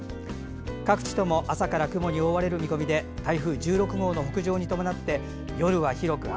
各地とも朝から雲に覆われる見込みで台風１６号の北上に伴って夜は広く雨。